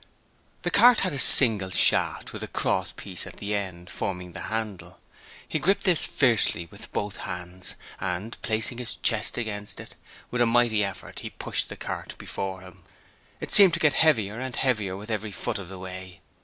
The cart had a single shaft with a cross piece at the end, forming the handle: he gripped this fiercely with both hands and, placing his chest against it, with a mighty effort he pushed the cart before him. It seemed to get heavier and heavier every foot of the way.